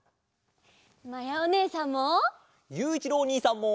まやおねえさんも！